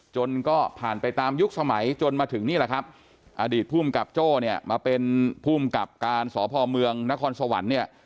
จนก็ผ่านไปตามยุคสมัยจนมาถึงนี่แหละครับอดีตภูมิกับโจ้เนี่ยมาเป็นภูมิกับการสพเมืองนครสวรรค์เนี่ย